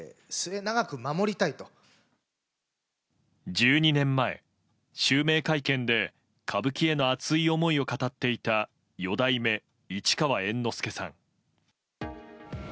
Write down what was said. １２年前、襲名会見で歌舞伎への熱い思いを語っていた四代目市川猿之助さん。